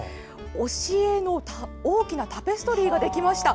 押し絵の大きなタペストリーができました。